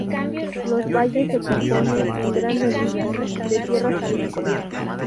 Los valles se compone, en gran medida, de tierras agrícolas.